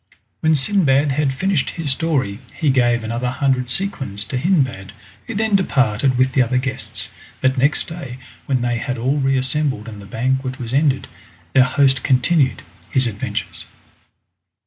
When Sindbad had finished his story he gave another hundred sequins to Hindbad, who then departed with the other guests, but next day when they had all reassembled, and the banquet was ended, their host continued his adventures.